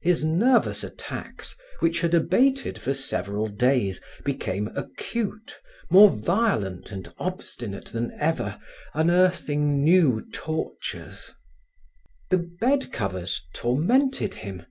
His nervous attacks, which had abated for several days, became acute, more violent and obstinate than ever, unearthing new tortures. The bed covers tormented him.